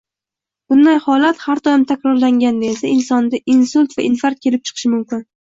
Bunday holat har doim takrorlanganda esa insonda insult va infarkt kelib chiqishi mumkin.